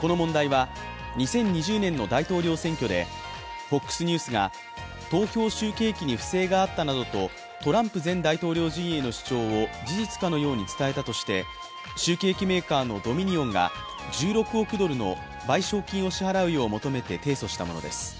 この問題は２０２０年の大統領選挙でＦＯＸニュースが、投票集計機に不正があったなどとトランプ前大統領陣営の主張を事実かのように伝えたとして集計機メーカーのドミニオンが１６億ドルの賠償金を支払うよう求めて提訴したものです。